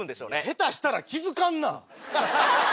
下手したら気付かんな。